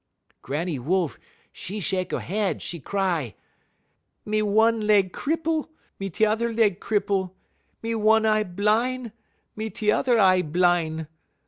"Granny Wolf, 'e shek 'e head; 'e cry: "'Me one leg cripple, me turrer leg cripple; me one eye bline, me turrer y eye bline.